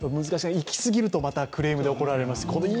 行き過ぎるとクレームで怒られます。